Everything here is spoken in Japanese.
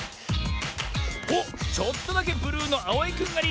おっちょっとだけブルーのあおいくんがリード。